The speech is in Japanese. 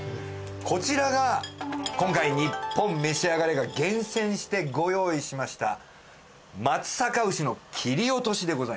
こちらが今回『ニッポンめしあがれ』が厳選してご用意しました松阪牛の切り落としでございます。